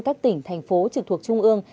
các tỉnh thành phố trực thuộc trung ương